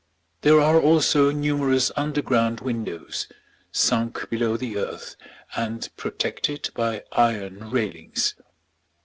There are also numerous underground windows, sunk below the earth and protected by iron railings.